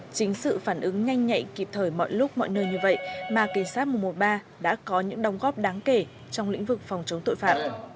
chính sự phản ứng nhanh nhạy kịp thời mọi lúc mọi nơi như vậy mà kỳ sát mùa mùa ba đã có những đồng góp đáng kể trong lĩnh vực phòng chống tội phạm